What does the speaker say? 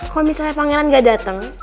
kalau misalnya pangeran gak datang